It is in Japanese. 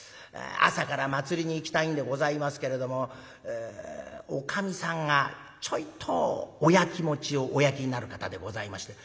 朝から祭りに行きたいんでございますけれどもおかみさんがちょいとおやきもちをおやきになる方でございまして。